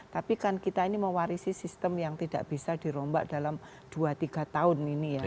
tapi kan kita ini mewarisi sistem yang tidak bisa dirombak dalam dua tiga tahun ini ya